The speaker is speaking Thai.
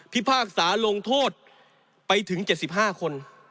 พากษาลงโทษไปถึง๗๕คน